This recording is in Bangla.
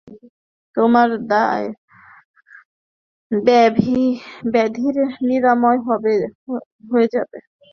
তোমার ব্যাধির নিরাময় হয়ে যাবে!